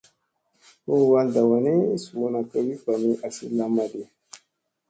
Hu halɗa wanni, suuna ka wi vami a asi lamma di.